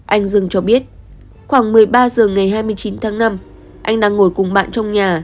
anh dương cho biết khoảng một mươi ba h ngày hai mươi chín tháng năm anh đang ngồi cùng bạn trong nhà